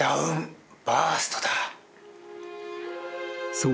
［そう。